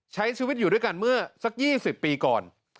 ใช้ชีวิตอยู่ด้วยกันเมื่อสัก๒๐ปีก่อน